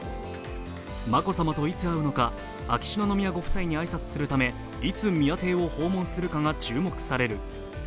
眞子さまといつ会うのか秋篠宮ご夫妻に挨拶するためいつ宮邸を訪問するのかが注目される。